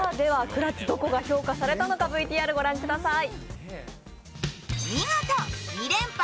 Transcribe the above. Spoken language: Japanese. クラッツどこが評価されたのかＶＴＲ御覧ください。